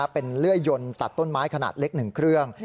เป็นเลื่อยยนตัดต้นไม้ขนาดเล็ก๑เครื่อง